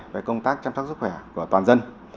về công tác chăm sóc sức khỏe của toàn dân